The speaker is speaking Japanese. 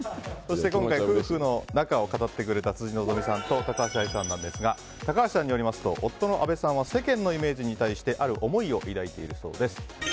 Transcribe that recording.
今回、夫婦の仲を語ってくれた辻希美さんと高橋愛さんですが高橋さんによりますと夫のあべさんは世間に対してある思いを抱いているそうです。